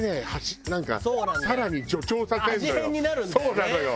そうなのよ。